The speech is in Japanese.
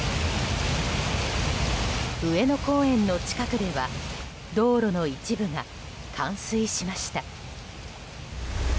上野公園の近くでは道路の一部が冠水しました。